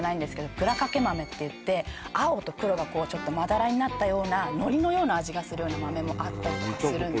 くらかけまめっていって青と黒がちょっとまだらになったようなのりのような味がするような豆もあったりとかするんですよ